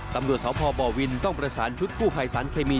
ตำรวจสาวพ่อบ่อวินต้องประสานชุดคู่ภายสารเคมี